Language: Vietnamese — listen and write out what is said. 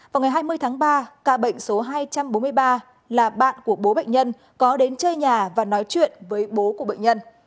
vào ngày hai mươi tháng ba ca bệnh số hai trăm bốn mươi ba là bạn của bố bệnh nhân có đến chơi nhà và nói chuyện với bố của bệnh nhân